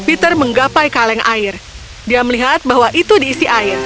peter menggapai kaleng air dia melihat bahwa itu diisi air